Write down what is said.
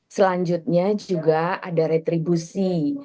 selanjutnya juga ada retribusi